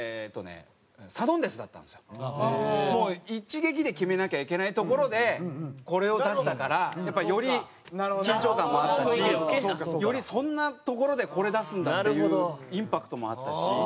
もう一撃で決めなきゃいけないところでこれを出したからやっぱより緊張感もあったしよりそんなところでこれ出すんだっていうインパクトもあったし。